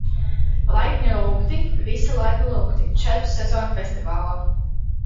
Laipni lūgti, visi laipni lūgti, Četru Sezonu Festivālā!